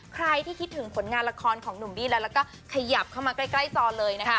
ใครที่คิดถึงผลงานละครของหนุ่มบี้แล้วแล้วก็ขยับเข้ามาใกล้จอเลยนะคะ